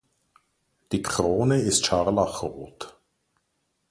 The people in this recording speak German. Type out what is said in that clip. Die Krone ist scharlachrot.